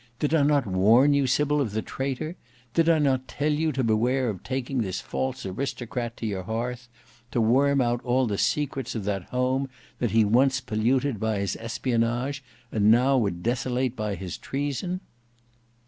Did I not warn you, Sybil, of the traitor? Did I not tell you to beware of taking this false aristocrat to your hearth; to worm out all the secrets of that home that he once polluted by his espionage, and now would desolate by his treason."